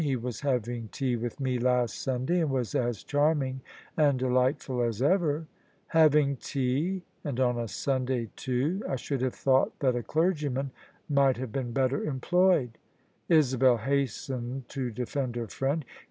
He was having tea with me last Sunday, and was as charming and deli^tful as ever." "Having tea — ^and on a Sunday, too? I should have thought that a clergyman might have been better employed." Isabel hastened to defend her friend.